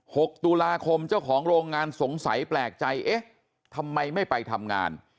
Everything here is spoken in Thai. หกตุลาคมเจ้าของโรงงานสงสัยแปลกใจเอ๊ะทำไมไม่ไปทำงาน